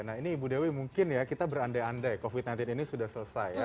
nah ini ibu dewi mungkin ya kita berandai andai covid sembilan belas ini sudah selesai ya